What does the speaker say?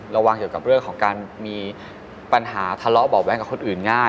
ระวังเกี่ยวกับเรื่องของการมีปัญหาทะเลาะเบาะแว้งกับคนอื่นง่าย